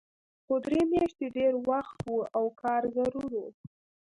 خو درې میاشتې ډېر وخت و او کار ضرور و